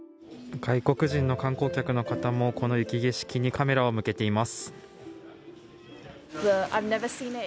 外国人の観光客の方もこの雪景色にカメラを向けています。